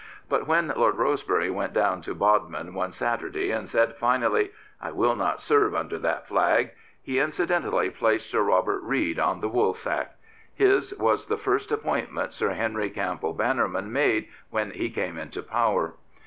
But when Lord Rosebery went down to Bodmin one Saturday and said finally, " I will not serve under that flag," he incidentally placed Sir Robert Reid on the woolsack. His was the first appointment Sir Henry CampbeD Bannerman made when he came into power.